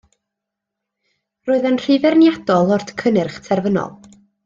Roedd e'n rhy feirniadol o'r cynnyrch terfynol